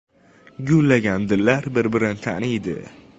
Gullagan dillar bir-birin taniydi.